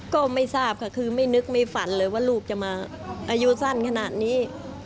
ก็ไม่ทราบค่ะคือไม่นึกไม่ฝันเลยว่าลูกจะมาอายุสั้นขนาดนี้